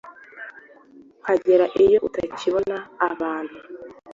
nkagera iyo utakibona abantu